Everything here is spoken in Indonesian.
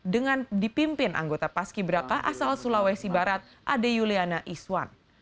dengan dipimpin anggota paski beraka asal sulawesi barat ade yuliana iswan